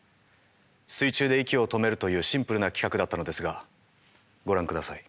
水中で息を止めるというシンプルな企画だったのですがご覧ください。